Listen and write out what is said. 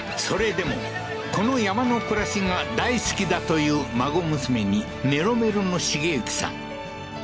それでもこの山の暮らしが大好きだという孫娘にメロメロの茂幸さん